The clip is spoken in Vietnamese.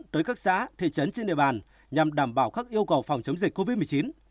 tới các xã thị trấn trên địa bàn nhằm đảm bảo các yêu cầu phòng chống dịch covid một mươi chín